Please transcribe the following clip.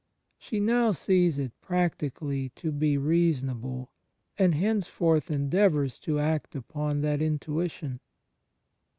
She now sees it practically to be reasonable; and henceforth endeavours to act upon that intuition.